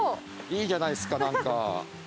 いいじゃないっすか何か。